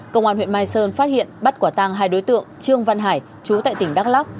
công an huyện mai sơn phát hiện bắt quả tăng hai đối tượng trương văn hải chú tại tỉnh đắk lắc